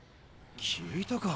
聞いたか？